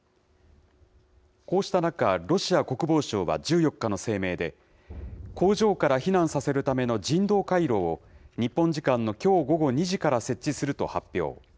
こうした中、ロシア国防省は１４日の声明で、工場から避難させるための人道回廊を、日本時間のきょう午後２時から設置すると発表。